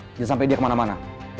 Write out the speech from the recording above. bisa sampai dia kemana mana